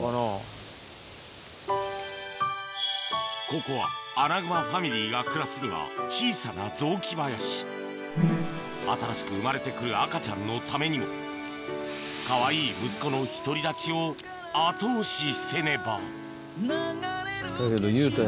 ここはアナグマファミリーが暮らすには小さな雑木林新しく生まれて来る赤ちゃんのためにもかわいい息子の独り立ちを後押しせねばだけどユウタ